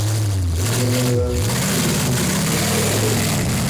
মুসলমানেরা সবচেয়ে বেশী হিংসার পথ অবলম্বন করেছে।